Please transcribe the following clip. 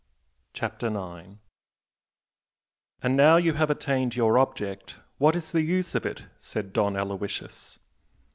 CHAPTER IX "And now you have attained your object, what is the use of it?" said Don Aloysius.